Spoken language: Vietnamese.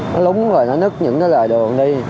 nó lúng rồi nó nứt những cái loài đường đi